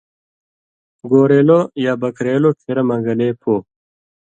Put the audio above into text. گورېلو یا بکرېلو ڇھیرہ مہ گلے پو۔